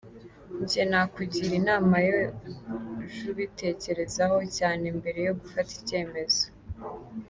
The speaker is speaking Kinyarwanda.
Njye nakugira inama yo jubitekerezaho cyane mbere yo gufata icyemezo.